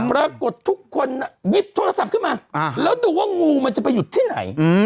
ปรากฏทุกคนหยิบโทรศัพท์ขึ้นมาแล้วดูว่างูมันจะไปหยุดที่ไหน